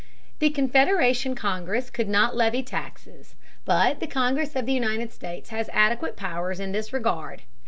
The Confederation Congress could not levy taxes, but the Congress of the United States has adequate powers in this regard.